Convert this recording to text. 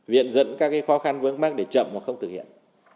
viện dẫn các khó khăn vướng mắt để chậm hoặc không thực hiện